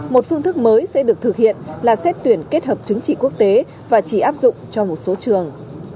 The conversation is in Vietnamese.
một phương thức mới sẽ được thực hiện là xét tuyển kết hợp chứng trị quốc tế và chỉ áp dụng cho một số trường